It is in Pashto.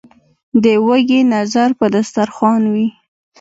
ـ د وږي نظر په دستر خوان وي.